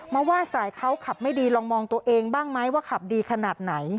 มาวาดสายเขาขับไม่ดีลองมองตัวเองบ้างไหมว่าขับดีขนาดไหน